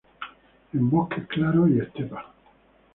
En bosques claros y estepas.